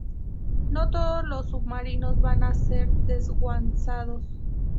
No todos los submarinos van a ser desguazados.